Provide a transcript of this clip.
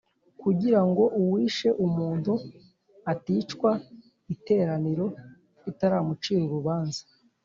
Kugira ngo uwishe umuntu aticwa iteraniro ritaramucira urubanza